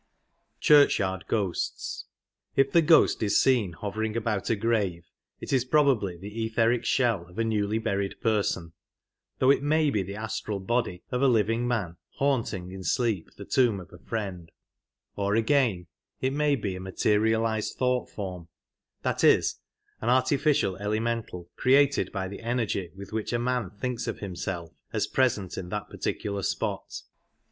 If the ghost is seen hovering about a grave it is probably the etheric shell of a newly buried person, ^^Gho^tT^^ though it may be the astral body of a living man haunting in sleep the tomb of a friend ; or again, 83 it may be a materialized thought form — that is, an artificial elemental created by the energy with which a man thinks of himself as present at that particular spot.